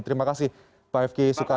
terima kasih pak f ki sukarya